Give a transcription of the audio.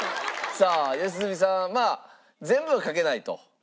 さあ良純さんまあ全部はかけないという感じ。